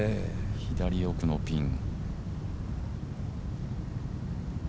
左奥のピン。